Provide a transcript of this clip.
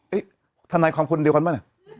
เอ๊ะทนายความคนเดียวกันมั้ย